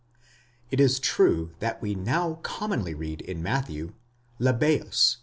It is true that we now commonly read in Matthew, Zeddeus